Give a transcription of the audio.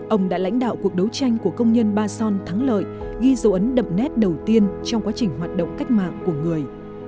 ông đã lãnh đạo cuộc đấu tranh của công nhân ba son thắng lợi ghi dấu ấn đậm nét đầu tiên trong quá trình hoạt động cách mạng của người